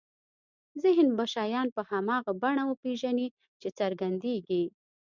ذهن به شیان په هماغه بڼه وپېژني چې څرګندېږي.